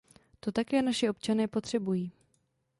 To také naši občané potřebují.